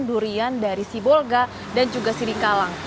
durian dari sibolga dan juga sirikalang